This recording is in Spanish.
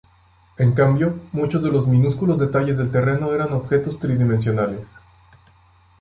En cambio, muchos de los minúsculos detalles del terreno eran objetos tridimensionales.